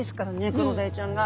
クロダイちゃんが。